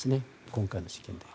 今回の事件で。